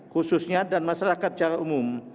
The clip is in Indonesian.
khususnya dan masyarakat secara umum